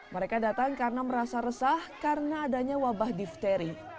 mereka datang karena merasa resah karena adanya wabah difteri